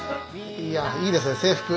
いやいいですね制服。